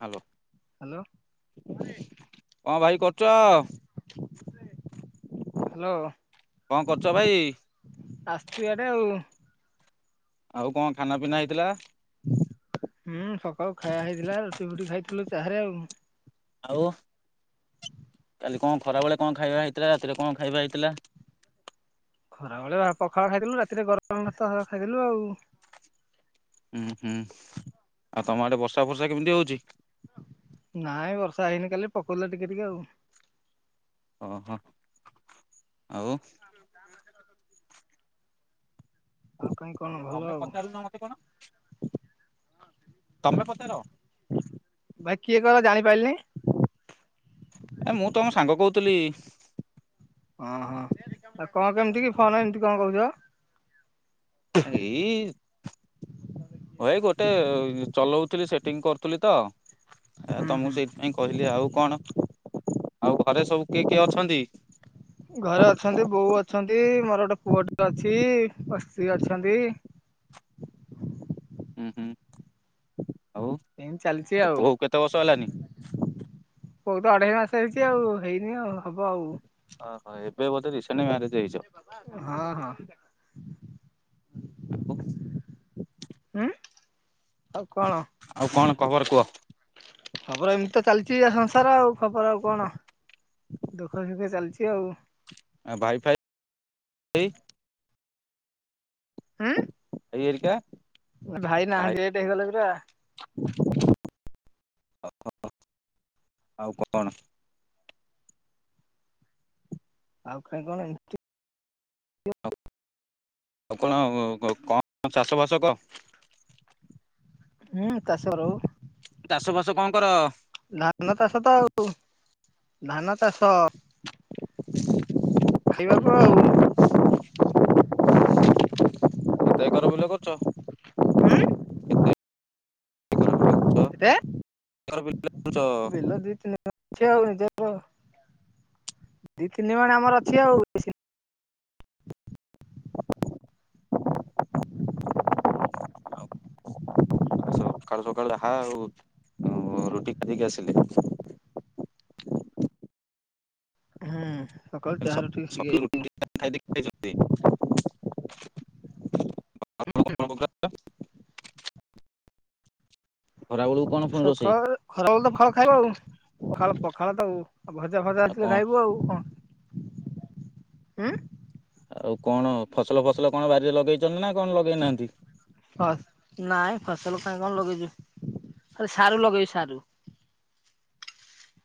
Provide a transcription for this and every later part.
Hello hello କଣ ଭାଇ କରୁଚ ହ୍ୟାଲୋ କଣ କରୁଚ ଭାଇ? ଛୁୟାଟେ ଆଉ। ଆଉ କଣ ଖାନା ପିନା ହେଇଥିଲା? ଥିଲୁ ଚାହାରେ ଆଉ। ଆଉ କାଲି କଣ ଖରାବେଳେ କଣ ଖାଇବା ହେଇଥିଲା ରାତିରେ କଣ ଖାଇବା ହେଇଥିଲା? ଖରା ଵେଳେ ଭା ପଖାଳ ଖାଇଥିଲୁ ରାତିରେ ଗରମଭାତ ଖାଇଥିଲୁ ଆଉ। ହୁଁ ହୁଁ ଆଉ ତମ ଆଡେ ବର୍ଷା ଫର୍ଷା କେମିତି ହଉଛି? ନାଇଁ ବର୍ଷା ହେଇନି କାଲି ପକଉ ଥିଲା ଟିକେ ଟିକେ ଆଉ। ଓ ହୋ ଆଉ। ଆଉ କାହିଁ କଣ ଭଲ ତମେ ଆଉ। ପଚାରୁ ନ ମତେ କଣ? ତମେ ପଚାର ଭାଇ କିଏ କହିଲ ଜାଣିପାରିଲିନି ଏ ମୁଁ ତମ ସାଙ୍ଗ କହୁ ଥିଲି। ଓ ହୋ ଆ କଣ କେମିତି କି ଫୋନ ଏମିତି କଣ କହୁଛ? ଏଈ ମୋ ଏଇ ଗୋ ଗୋଟେ ଚଲଉଥିଲି ସେଟିଂ କରୁଥିଲି ତ ହୁଁ ହୁଁ। ତମକୁ ସେଇଥିପାଇଁ କହିଲି ଆଉ କଣ ଆଉ ଘରେ ସବୁ କିଏ କିଏ ଅଛନ୍ତି? ଘରେ ଅଛନ୍ତି ବୋଉ ଅଛନ୍ତି ମୋର ଗୋଟେ ପୁଅଟେ ଅଛି। ମୋ ସ୍ତ୍ରୀ ଅଛନ୍ତି। ହୁଁ ହୁଁ। ଆଉ ଏମିତି ଚାଲିଛି ତୋ ଆଉ ପୁଅକୁ କେତେ ବର୍ଷ ହେଲାନି? ପୁଅକୁ ତ ଅଢେଇ ମାସ ହେଇଛି ଆଉ ହେଇନି ଆଉ ହବ ଆଉ। ଓହୋ ଏବେ ବୋଧେ ରିସେଟ ମ୍ୟାରେଜ ହେଇଛ ହଁ ହଁ। ହଲୋ। ଉଁ ଆଉ କଣ କୁହ ଖବର ଏମିତି ତ ଚାଲିଛି ଆଉ ଆଉ ଖବର ଆଉ କଣ ଦୁଃଖ ସୁଖରେ ଚାଲିଛି। ଆଉ। ଆ ଭାଇ ଫାଇ ହୁଁ ଭାଇ ଘରିକା? ଭାଇ ନାହାନ୍ତି ଡେଟ ହେଇଗଲେ ପରା। ଆଉ କଣ ଆଉ କାଇଁ କଣ। ଆଉ କଣ କଣ ଚାଷ ବାସ କଣ? ହୁଁ କାସରଉ ଚାଷ ବାସ କଣ କର ଧାନ ଚାଷ ତ ଆଉ, ଧାନ ଚାଷ। ଖାଇବାକୁ ଆଉ। ତ ହୁଁ ଏକର ବିଲ କରୁଛ କେତେ? ଏକର ବିଲ କରୁଛ ବିଲ ଦି ତିନଟା ଛିି ହଉନି ଦେ ଦି ତିନି ମାଣ ଆମର ଅଛି ଆଉ ସକାଳୁ ସକାଳୁ ଯାହା, ଆଉ ରୁଟି ଖାଇଦେଇକି ଆସିଲି। ହୁଁ ସକାଳୁ ଚାହା ରୋଟୀ ସକାଳୁ ରୁଟି [unintelligible] [unintelligible] ଖରା ବେଳକୁ କଣ ପୁଣି ରୋଷେଇ ସକାଳ ଖରା ବେଳେ ତ ଖାଇବା ଆଉ ପଖାଳ ପଖାଳ ତ ଆଉ ଆଉ ଭଜା ଫଜା ଆଉ ଥିଲେ କଣ ଖାଇବୁ ଆଉ କଣ ହଁ ଆଉ କଣ? ନାଇଁ ଫସଲ କାଇ କଣ ଲଗେଇଛୁ, ଖାଲି ସାରୁ ଲଗେଇଛୁ ସାରୁ।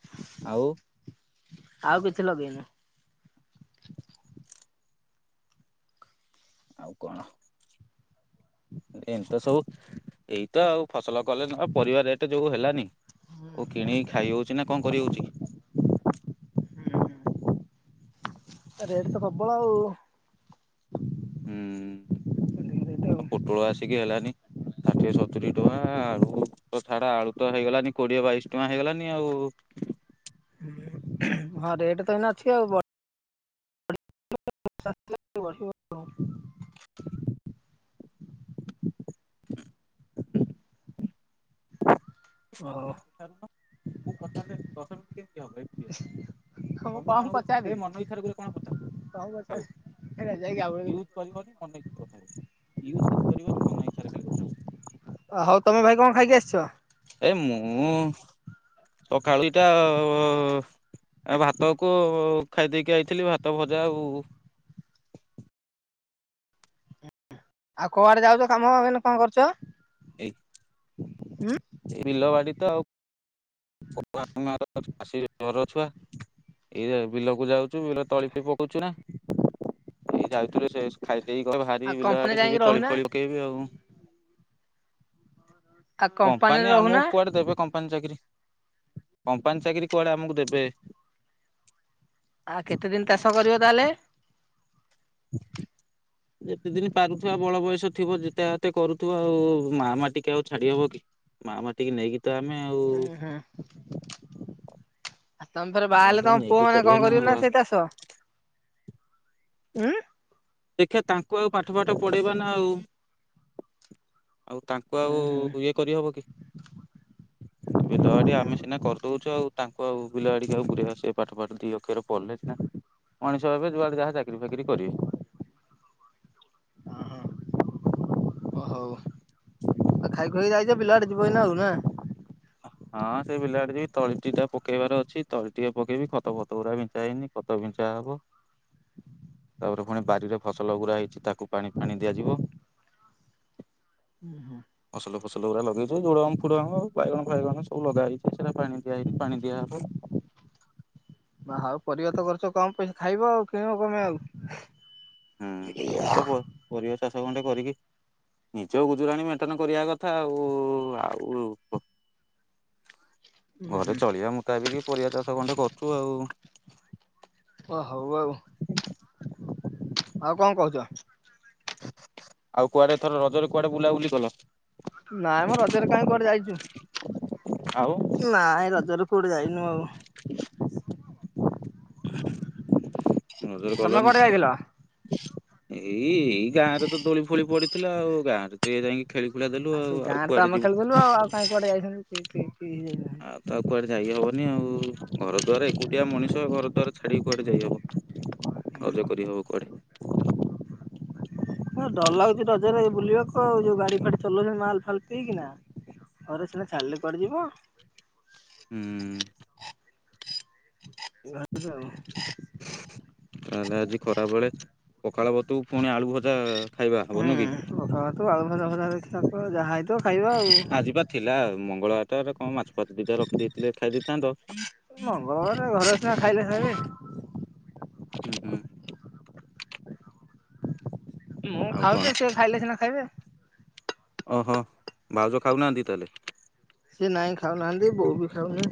ହଁ ଆଉ। ଆଉ କିଛି ଲଗେଇନୁ। ଆଉ କଣ? ଏମି ତ ସବୁ, ଏଇତ ଆଉ ଫସଲ କଲେ, ନା ପରିବା ରେଟ ଯୋଉ ହେଲାନି କଉ କିଣିକି ଖାଇ ହଉଛି ନା କଣ କରିହଉଛି? ରେଟ ତ ପ୍ରବଳ ଆଉ। ହୁଁ ଆଉ ପୋଟଳ ଆସିକି ହେଲାନି ଷାଠିଏ ସତୁରି ଟଙ୍କା, ଆଉ ଆଳୁ ତ ଛାଡ ଆଳୁ ତ ହେଇଗଲାନି କୋଡିଏ ବାଇଶି ଟଙ୍କା ହେଇଗଲାନି ଆଉ। ହଁ ରେଟ୍ ତ ଏଇ ଅଛି ଆଉ ବ [unintelligible] ତମେ ହଉ। ପଚାରୁନ, ମୁଁ ପଚାରିଲେ ଦଶ ମିନିଟ କେମତି ହବ, ଏକୁଟିଆ ମୁଁ ତମେ କଣ ପଚାରିବି ସେ ମନ ଇଚ୍ଛାରେ କଣ ପଚ କଣ ପଚାରିବି ହେରା ଯାଇକି ଆଉ ୟୁଜ କରିବନି ମନ ଇଚ୍ଛାରେ କଥା ହବ, ୟୁଜ୍ କିଛି କରିବନି ମନ ଇଛାରେ ଖାଲି କଥା ହବ। ହଉ ତମେ ଭାଇ କଣ ଖାଇକି ଆସିଛ ଏ ମୁଁ ସକାଳୁ ଇଟା ଭାତକୁ ଖାଇଦେଇକି ଆଇଥିଲି ଭାତ, ଭଜା ଆଉ। ଆଉ କୁଆଡେ ଯାଉଛ, କାମ ନା କଣ କରୁଛ? ଏଇ ହୁଁ? ଏଇ ବିଲ ବାଡି ତ ଆଉ [unintelligible] [unintelligible] ଘର ଛୁଆ ଏଇ ବିଲକୁ ଯାଉଛୁ, ବିଲ ତଳି ବି ପକଉଛୁ ନା ଏଇ ଯାଉଥିଲେ ସେ ଖାଇ କହ ଆଉ ବାହାରିବି ବିଲ କମ୍ପାନୀ ଆଡେ ଯାଇକି ଯିବି, ତଳି ରହୁନା ଫଳି ପକେଇବି ଆଉ। ଆଉ କମ୍ପାନୀରେ କମ୍ପାନୀ ରହୁନା ଆମକୁ କୁଆଡେ ଦେବେ କମ୍ପା କମ୍ପାନୀ ଚାକିରି, କମ୍ପାନୀ ଚାକିରରି କୁଆଡେ ଆମକୁ ଦେବେ? ଆ କେତେ ଦିନ ଚାଷ କରିବ ତାହେଲେ? ଯେତେ ଦିନ ପାରୁଥିବା ବଳ ବୟସ ଥିବ ଯେତେ ହାତେ କରୁଥିବ, ଆଉ ମା ଟିକି ଆଉ ଛାଡି ହବ କି ମା ମା ଟିକେ ନେଇକି ତ ଆମେ ଆଉ ଉଁ ହୁଁ। ଆଉ ତମେ ଫେରେ ମା ବାହା ହେଲେ, ମାଟିକି ତମ ପୁଅ ନେଇକି ମାନେ କରିବା କଣ କରିବେ ଆଉ ନା ସେଇ ଚାଷ। ଉଁ। ଦେଖିବା ତାଙ୍କୁ ଆଉ ପାଠ ପାଠ ପଢେଇବା ନା ଆଉ। ଆଉ ତାଙ୍କୁ ଆଉ ଉଁ ହୁଁ। ଇଏ କରିହବ କି, ବିଲ ବାଡି ଆମେ ସିନା କରିଦଉଛୁ ଆଉ ତାଙ୍କୁ ଆଉ ବିଲ ବାଡିକୁ ଆଉ ପୁରେଇବା ସେ ପାଠ ପାଠ ଦି ଅକ୍ଷର ପଢ଼ିଲେ ସିନା ମଣିଷ ହେବେ, ଯୁଆଡେ ଯାହା ଚାକିରି ଫାକିରି କରିବେ। ହଁ ହଁ। ଓ ହଉ। ଆଉ ଖାଇ ଖୁଏଇ ଯାଇଛ, ବିଲ ଆଡେ ଯିବ ଏଇନା ଆଉ ନା। ହଁ ସେ ବିଲ ଆଡେ ଯିବି ତଳିଟି ଟା ପକେଇବାର ଅଛି, ତଳି ଟିକେ ପକେଇବି, ଖତ ଫତ ଗୁୁରା ବିଞ୍ଚା ହେଇନି ଖତ ବିଞ୍ଚା ହବ, ତାପରେ ପୁଣି ବାରିରେ ଫସଲ ଗୁୁରା ହେଇଛି ତାକୁ ପାଣି ଫାଣି ଦିଆଯିବ। ହୁଁ ହୁଁ। ଫସଲଗୁଡ଼ା ଲଗେଇଛନ୍ତି ଯୋଉଗୁଡ଼ା ଫୁଲ ବାଇଗଣ। ବାଇଗଣ ସବୁ ଲଗା ହେଇହେଇଚି ସେଇଟା ପାଣି ଦିଆହେଇନି ପାଣି ଦିଆହବ। ବା ଆଉ ପରିବା ତ କରୁଛ କମ ପଇସା ଖାଇବ ଆଉ କିଣିବ କ ପାଇଁ ଆଉ। ହୁଁ ଏଇତ ବ ପରିବା। ଚାଷ ଗଣ୍ଡେ କରିକି ନିଜ ଗୁଜୁରାଣୀ ମେଣ୍ଟେନ କରିବା କଥା ଆଉ ଆଉ। ଘରେ ଚଳିବା ମୁତାବିକ ପରିବା ଚାଷ ଗଣ୍ଡେ କରୁଛୁ ଆଉ। ଓ ହଉ ଆଉ ଆଉ କଣ କହୁଛ। ଆଉ କୁଆଡେ ଏଥର ରଜରେ କୁଆଡେ ବୁଲାବୁଲି କଲ। ନାଇଁ ମ ରଜରେ କାହିଁ କୁଆଡ଼େ ଆଉ ଯାଇଛୁ ନାଇଁ ରଜରେ କୋଉଠି ଯାଇନୁ ଆଉ। ରଜ ରେ ତମେ ଗଲନି। କୁଆଡେ ଯାଇଥିଲ? ଏଇ ଏଇ ଗାଁରେ ତ ଦୋଳି ଫୋଳି ପଡିଥିଲା ଆଉ ଗାଁରେ ତ ଯାଇକି। ଖେଳି ଖୁଳା ଦେଲୁ ଆ ଆଉ ସେ ଆଉ ଗାଁରେ ତ କୁଆଡେ ଆମେ ଖେଳୁଥିଲଲୁ ଆଉ କାଇଁ କୁଆଡେ ଯାଇଥାନ୍ତି। କି କି। ହଁ ତ ଆଉ କୁଆରେ ଯାଇ ହ ଆଉ ଘର ଦ୍ୱାର ଏକୁଟିଆ ମଣିଷ ଘର ଦ୍ୱାର ଛାଡିକି କୁଆଡେ ଯାଇହବ ରଜ କରିହବ କୁଆଡେ। ହଁ ଡର ଲାଗୁଛି ରଜରେ ବୁଲିବାକୁ ଆଉ ଯୋଉ ଗାଡି ଫାଡି ଚଲଉଛନ୍ତି ମାଲ ଫାଲ ପିଇକିନା ଘରେ ସିନା ଛାଡ଼ିଲେ ପଡିଯିବ। ହୁଁ। ଏଇ ଭାଷା ଆଉ। ତାହେଲେ ଆଜି ଖରା ବେଳେ। ପଖାଳ ଭାତକୁ ପୁଣି ଆଳୁ ଭଜା। ଖାଇବା ହୁଁ ହବନୁ କି ପଖାଳ ଭାତ କୁ ଆଳୁ ଭଜା ଭଜା ଦେଖିରଖ ଯାହା ହେଇଥିବ ଖାଇବା ଆଉ। ସେଟାରେ କଣ ମାଛ ଫାଛ ଦିଇଟା ରଖିଦେଇଥିଲେ ଖାଇ ଦେଇଥାନ୍ତ। ମଙ୍ଗଳବାର ଘର ସିନା ଖାଇଲେ ଖାଇବେ। ହୁଁ ହୁଁ ମୁଁ ଆଉ କଣ ଖାଉଛି ସେ ଖାଇଲେ ସିନା ଖାଇବେ ଓହୋ ଭାଉଜ ଖାଉନାହାନ୍ତି ତାହେଲେ? ସିଏ ନାହିଁ ଖାଉନାହାନ୍ତି ବୋଉ ବି ଖାଉନି।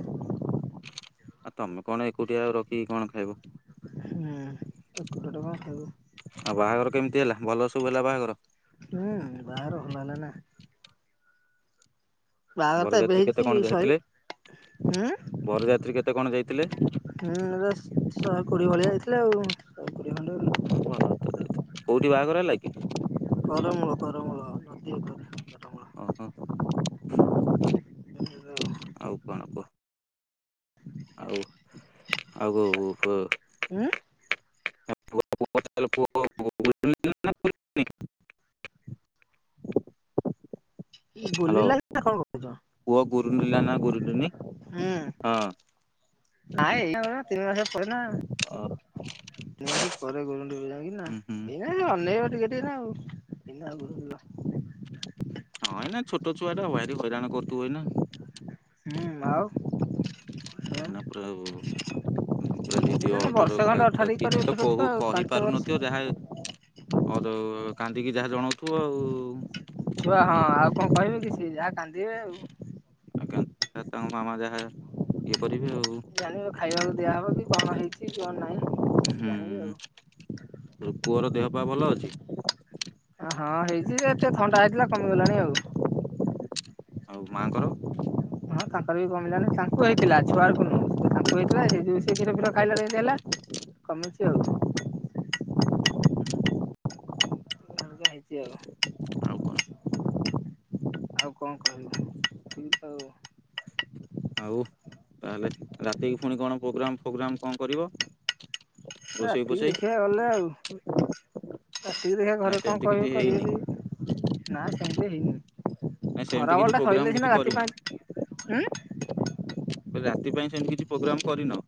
ଆଉ ତମେ କଣ ଏକୁଟିଆଉ ରଖିକି କଣ ଖାଇବ? [unintelligible] ହୁଁ ଆଉ କେମିତି ବାହାଘର ହେଲା ସବୁ ହେଲା ବାହାଘର ଭଲ ହେଲା ନା। ବାହାଘର ବରଯାତ୍ରୀ କେତେ ତ କଣ ଯାଇଥିଲେ ଏବେ ହେଇଛି ଶହେ ବରଯାତ୍ରୀ ହଁ କେତେ କଣ ହୁଁ ଯାଇଥିଲେ? ଶହେ କୋଡିଏ ଭଳିଆ। ଆ କୋଡ଼ିଏ ଖଣ୍ଡେ। କ କୋଉଠି ବାହାଘର ହେଲା କି? କରମୂଳ କରମୂଳ [inaudible] ଓ ହୋ ଆଉ କଣ କୁହ? ଆଉ [unintelligible] [unintelligible] ଉଁ ହ୍ୟାଲୋ ବୁଲିଲା ନା କଣ କହୁଛ ପୁଅ ଗୁରୁଣ୍ଡିଲ ନା ଗୁରୁଣ୍ଡିନୀ? ହୁଁ ହଁ। [inaudible] ତିନି ମାସ ହୁଁ ପରେ [inaudible] ହୁଁ ଅନେଇ ହଁ ଏଇନା ଛୋଟ [unintelligible] [inaudible] ଭାରି ହଇରାଣ କରୁଥିବ ଏଇନା। ହୁଁ ଆଉ। ସେୟା ନା ପାଉ ପୁରା ଯିଦି ଏଇନା ଅଡ ବର୍ଷେ ଖଣ୍ଡେ ଅଠାଠିକ କିଛି କରିବ ତ ଛୋଟ କହୁ ଛୁଆ ଆଉ କହି ପାଞ୍ଚ ବର୍ଷ ପାରୁନଥିବ ଯାହା କାନ୍ଦିକି ଯାହା ଜଣଉଥିବ ଆଉ। ଛୁଆ ହଁ ଆଉ କଣ କହିବେ କି ସିଏ [unintelligible] ମାମା ଯାହା କରିବେ ଆଉ ଜାଣିବ ଖାଇବାକୁ ଦିଆହବ କି କଣ ହେଇଛି କଣ ନାହିଁ ଜାଣିବେ ଆଉ। ବା ଭଲ ଅଛି? ହଁ ହେଇ। ସେ ଏତ ଥଣ୍ଡା ହେଇଥିଲା କମିଗଲାଣି ଆଉ। [inaudible] ଆଉ ମାଆଙ୍କର? ହଁ ତାଙ୍କର ବି କମିଲାଣି। [unintelligible] ଖାଇଲା ଠୁ ଏମିତି ହେଲା କମୁଛି ଆଉ। ହୁଁ। ଆଉ କଣ [unintelligible] ଆଉ କଣ କହିଵୁ ଏତିକି ତ ଆଉ। ଆଉ ତାହେଲେ ରାତିକୁ ପୁଣି କଣ ପ୍ରୋଗ୍ରାମ ଫୋଗ୍ରାମ୍ କଣ କରିବ? ରୋଷେଇ ରାତିକି ଫୋଷେଇ ଦେଖିବା ଗଲେ ଆଉ ରାତିକି ଦେଖିବା ନାଇଁ ଘରେ କଣ ସେମିତି କିଛି କହିବେ ହେଇନି କରିବେ ନାଇ ସେମିତି ହେଇନି ନାଇଁ ସେମିତି କିଛି ଖରାବେଳ ଟା ପ୍ରୋଗ୍ରାମ ସରିଲେ କିଛି ସିନା ରାତି କରିନ ପାଇଁଁ ରାତି ପାଇଁ ସେମିତି କିଛି ପ୍ରୋଗ୍ରାମ କରିନ?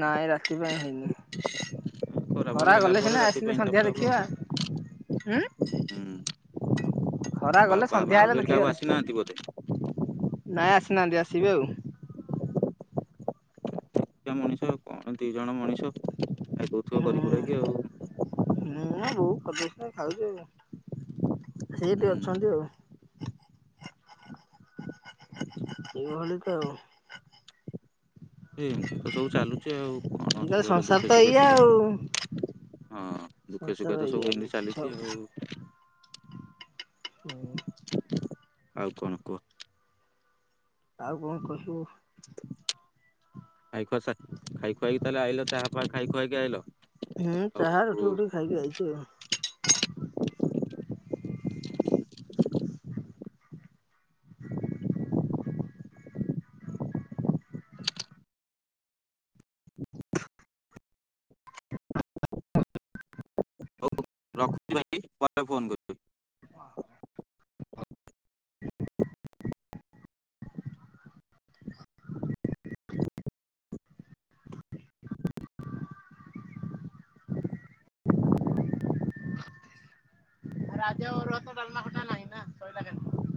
ନାଇଁ ରାତି ପାଇଁ ହେଇନି। ଖରାବେଳ ଖରା ହେଲା ଗଲେ ପରେ ସିନା ରାତି ଆସିଲେ ପାଇଁ ସନ୍ଧ୍ୟା ତାପରେ ହବ ଦେଖିବା ଉଁ [unintelligible] ବା ଭାଉଜ ଘରିକା ଲେଖିବା ଆଉ ରାତି। ଆସିନାହାନ୍ତି ବୋଧେ? ନାଇଁ ଆସିନାହାନ୍ତି ଆସିବେ ଆଉ। ଦଶଟା ମଣିଷ କଣ ଦି ଜଣ ମଣିଷ ଆଉ ଦଉଥିବ କରିକୁରାକି ଆଉ। ହ ବୋଉ କରିଦଉଛି ଖାଉଛି ଆଉ ସେଇଠି ଅଛନ୍ତି ଆଉ। ଏଇଭଳି ତ ଆଉ। ଏମିତି ତ ସବୁ ଚାଲୁଛି, ଆଉ କଣ ଅଛି ଆଜିକାଲି କହିଲ? ସଂସାର ଦୁଃଖେ ସୁଖେ ଏଇଆ ତ ଆଉ। ହଁ, ଦୁଃଖେ ସଂସାର ସୁଖେ ତ ଏଇଆ ସବୁ ଏମିତି ମିଛ ହୁଁ ଚାଲିଛି ଆଉ। ହୁଁ। ଆଉ କଣ କୁହ? ଆଉ କଣ କହିବୁ? ଖାଇ ଖୁଆ ସା ଖାଇ ଖୁଆଇକି ତାହେଲେ ଆଇଲ। ତାହେଲେ, ଖୁଆ ଖାଇ ଖୁଆାଇକି ଆଇଲ? ହେ ଆଉ ଚାହା ରୁଟି ଫୁଟି ହଉ ଖାଇକି ଆଇଛି ଆଉ। ହଉ ରଖୁଛି ଭାଇ ପରେ ଫୋନ୍ କରିବି। ଆଜି ଆଉ ଅରୁଆ ଭାତ, ଡଲମା ଖଟା ନାହିଁ?